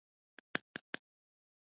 تور او شنه چایونه پر میزونو ایښودل شوي وو.